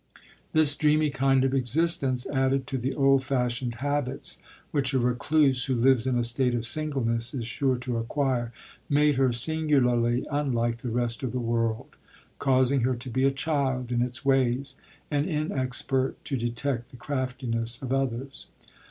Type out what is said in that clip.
This dreamy kind of existence, added to the old fashioned habits which a recluse who lives in a state of singleness is sure to acquire, . made her singularly unlike the rest of the world — causing her to be a child in its ways, and in expert to detect the craftiness of others.